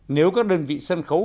nếu các đơn vị sân khấu